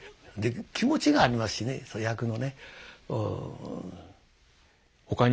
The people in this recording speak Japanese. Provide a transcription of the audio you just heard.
気持ちがありますしねその役のねうん。